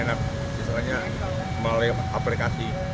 enak misalnya memakai aplikasi